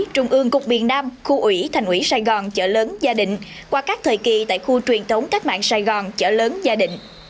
trung ương cục miền nam khu ủy thành ủy sài gòn chợ lớn gia đình qua các thời kỳ tại khu truyền thống cách mạng sài gòn chợ lớn gia đình